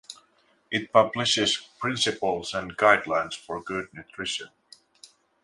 It publishes principles and guidelines for good nutrition.